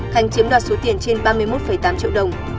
khánh chiếm đoạt số tiền trên ba mươi một tám triệu đồng